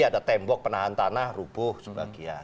ada tembok penahan tanah rubuh sebagian